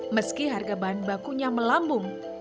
meski harga bahan bakunya melambung